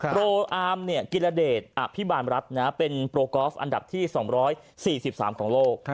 โรอาร์มกิรเดชอภิบาลรัฐเป็นโปรกอล์ฟอันดับที่๒๔๓ของโลก